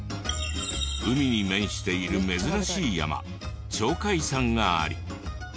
海に面している珍しい山鳥海山があり。